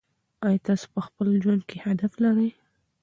آیا تاسې په خپل ژوند کې هدف لرئ؟